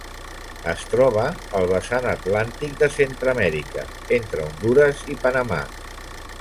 Es troba al vessant atlàntic de Centreamèrica entre Hondures i Panamà.